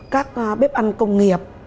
các bếp ăn công nghiệp